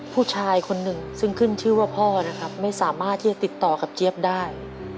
ผู้ชายคนหนึ่งซึ่งขึ้นชื่อว่าพ่อนะครับไม่สามารถที่จะติดต่อกับเจี๊ยบได้